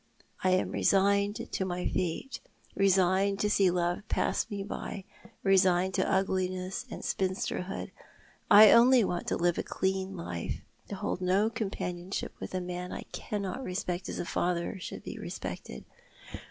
I am resigned to my fate, resigned to see love pass me by, resigned to ugliness and spinsterhood ; only I want to live a clean life — to hold no companionship with a man I cannot respect as a father should be respected.